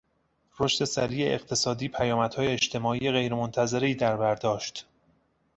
رشد سریع اقتصادیپیامدهای اجتماعی غیر منتظرهای دربر داشت.